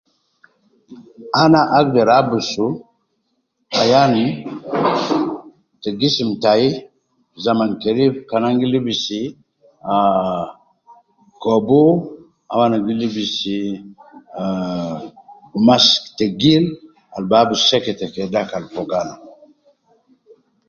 Ana agder abusu ayan te gisim tai zaman kerif kan an gi lebisi, ahh, kobu, au ana gi lebis, ah gumas tegil al bi abus sekete ke dakal fogo ana.